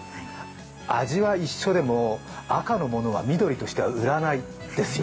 味は一緒でも赤のものは緑としては売らないんですよ。